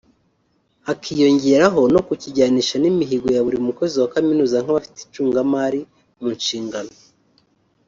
hakiyongeraho no kukijyanisha n’imihigo ya buri mukozi wa Kaminuza nk’abafite icungamari mu nshingano